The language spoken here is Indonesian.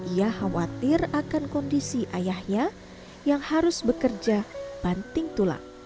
ia khawatir akan kondisi ayahnya yang harus bekerja banting tulang